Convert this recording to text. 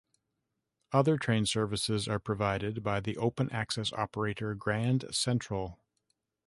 Other train services are provided by the open-access operator Grand Central.